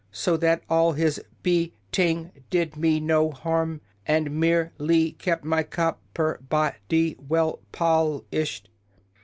So that all his beat ing did me no harm, and mere ly kept my cop per bod y well pol ished.